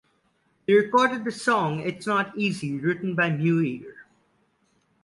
They recorded the song "It's Not Easy" written by Muir.